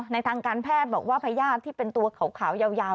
ทางการแพทย์บอกว่าพญาติที่เป็นตัวขาวยาว